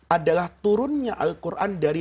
adalah turunnya al quran dari